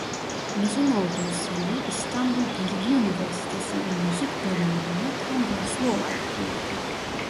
Mezun olduğu sene İstanbul Bilgi Üniversitesi'nin müzik bölümününe tam burslu olarak girdi.